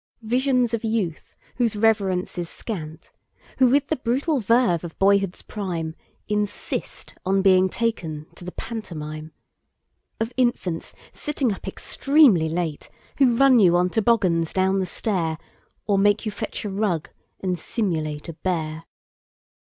Visions of youth whose reverence is scant, Who with the brutal verve of boyhood's primeInsist on being taken to the pant omime. Of infants, sitting up extremely late, Who run you on toboggans down the stair; Or make you fetch a rug and simulateA bear.